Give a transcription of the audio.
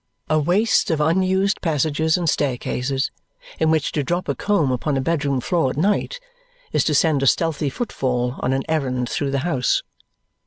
A waste of unused passages and staircases in which to drop a comb upon a bedroom floor at night is to send a stealthy footfall on an errand through the house.